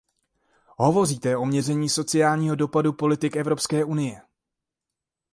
Hovoříte o měření sociálního dopadu politik Evropské unie.